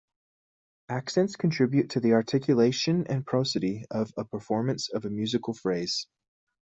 Accents contribute to the articulation and prosody of a performance of a musical phrase.